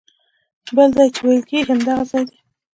بل ځای چې ویل کېږي همدغه ځای دی.